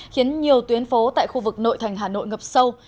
khiến nhiều tuyến phố tại khu vực nội thành hà nội ngập sâu